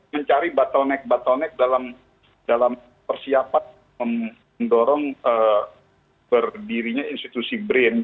mencari bottleneck bottleneck dalam persiapan mendorong berdirinya institusi brin